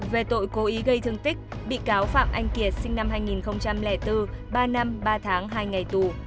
về tội cố ý gây thương tích bị cáo phạm anh kiệt sinh năm hai nghìn bốn ba năm ba tháng hai ngày tù